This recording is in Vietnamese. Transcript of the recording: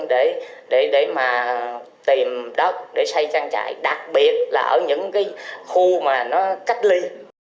để mà tìm đất để xây trang trại đặc biệt là ở những cái khu mà nó cách ly